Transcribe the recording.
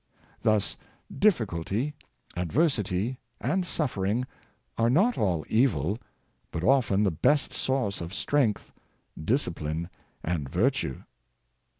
Thus difficulty, adversity, and suffering are not all evil, but often the best source of strength, discipline and virtue.